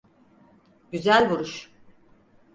Güzel vuruş.